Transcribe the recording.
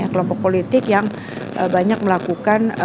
kelompok politik yang banyak melakukan